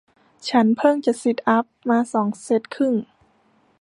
ฉันเพิ่งจะซิทอัพมาสองเซ็ทครึ่ง